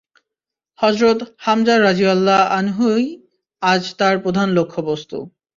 হযরত Hamza রাযিয়াল্লাহু আনহু-ই আজ তার প্রধান লক্ষ্য বস্তু।